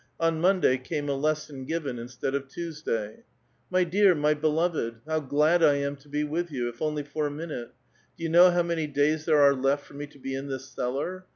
On Monday came a lesson ^ven instead of Tuesday. *' My dear, my beloved !^ how glad I am to be with you, i^ only for a minute ! Do you know how many days there B ve left for me to be in this cellar